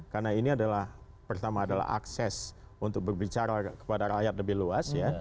karena ini adalah pertama adalah akses untuk berbicara kepada rakyat lebih luas ya